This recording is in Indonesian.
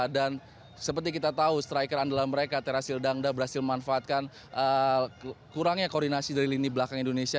dan seperti kita tahu striker andalan mereka terasil dangda berhasil memanfaatkan kurangnya koordinasi dari lini belakang indonesia